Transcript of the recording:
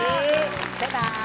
バイバーイ。